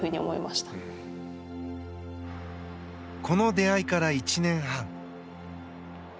この出会いから１年半。